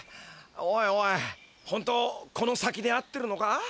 おいおいホントこの先で合ってるのか？